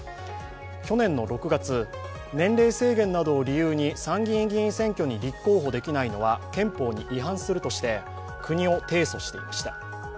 去年の６月、年齢制限などを理由に参議院議員選挙に立候補できないのは憲法に違反するとして国を提訴していました。